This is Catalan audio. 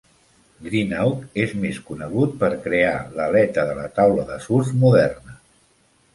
Greenough és més conegut per crear l'aleta de la taula de surf moderna.